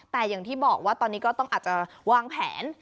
แต่อย่างที่บอกว่าตอนนี้ก็ต้องอาจจะวางแผน